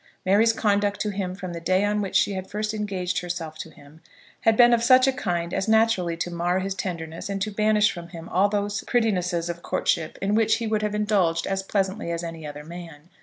Mary's conduct to him from the day on which she had first engaged herself to him had been of such a kind as naturally to mar his tenderness and to banish from him all those prettinesses of courtship in which he would have indulged as pleasantly as any other man.